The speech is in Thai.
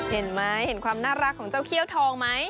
เห็นความน่ารักของเจ้าเขี้ยวทองไหม